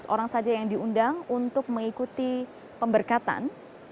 enam ratus orang saja yang diundang untuk mengikuti pemberkatan